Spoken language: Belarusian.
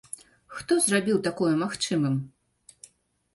Хто зрабіў такое магчымым?